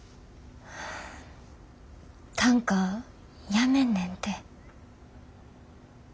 短歌やめんねんて。